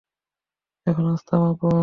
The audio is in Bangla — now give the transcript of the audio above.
এখন রাস্তা মাপো।